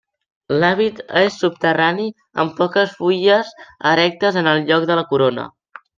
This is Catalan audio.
L'hàbit és subterrani amb poques fulles erectes en el lloc de la corona.